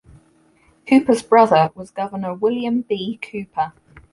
Cooper's brother was Governor William B. Cooper.